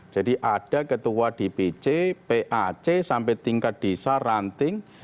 jadi ada ketua dpc pac sampai tingkat desa ranting